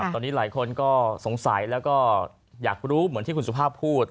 ตอนนี้หลายคนก็สงสัยแล้วก็อยากรู้เหมือนที่คุณสุภาพพูด